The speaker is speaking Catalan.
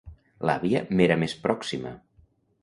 L'àvia m'era més pròxima...